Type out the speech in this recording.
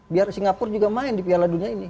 biar singapura juga main di piala dunia ini